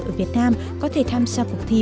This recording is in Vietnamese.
ở việt nam có thể tham gia cuộc thi